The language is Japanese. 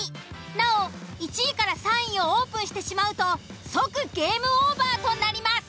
なお１位３位をオープンしてしまうと即ゲームオーバーとなります。